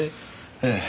ええ。